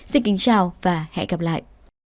xin kính chào và hẹn gặp lại